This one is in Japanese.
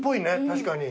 確かに。